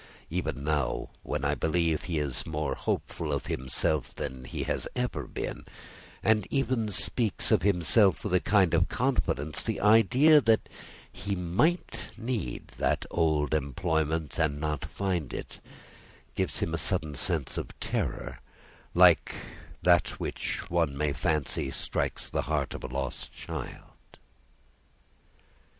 Even now, when I believe he is more hopeful of himself than he has ever been, and even speaks of himself with a kind of confidence, the idea that he might need that old employment, and not find it, gives him a sudden sense of terror, like that which one may fancy strikes to the heart of a lost child."